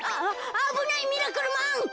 あぶないミラクルマン。